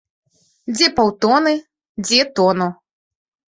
Дзе паўтоны, дзе тону.